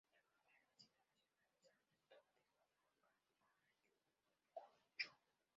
Trabajaba en La Universidad Nacional de San Cristóbal de Huamanga, Ayacucho.